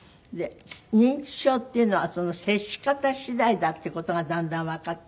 認知症っていうのは接し方しだいだっていう事がだんだんわかった。